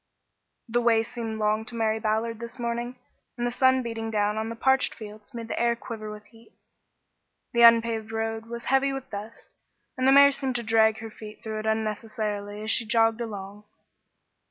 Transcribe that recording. The way seemed long to Mary Ballard this morning, and the sun beating down on the parched fields made the air quiver with heat. The unpaved road was heavy with dust, and the mare seemed to drag her feet through it unnecessarily as she jogged along.